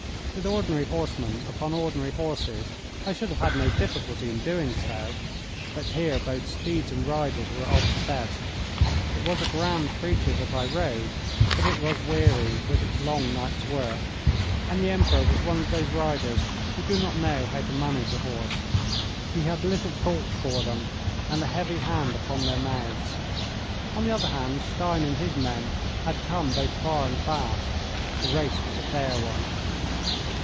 With ordinary horsemen upon ordinary horses I should have had no difficulty in doing so, but here both steeds and riders were of the best. It was a grand creature that I rode, but it was weary with its long night's work, and the Emperor was one of those riders who do not know how to manage a horse. He had little thought for them and a heavy hand upon their mouths. On the other hand, Stein and his men had come both far and fast. The race was a fair one.